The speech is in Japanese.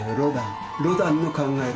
ロダンの「考える人」